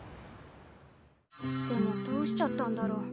でもどうしちゃったんだろう。